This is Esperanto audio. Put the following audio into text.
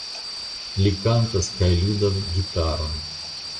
Li kantas kaj ludas gitaron.